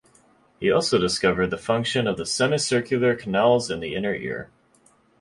He also discovered the function of the semicircular canals in the inner ear.